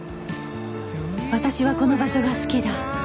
私はこの場所が好きだ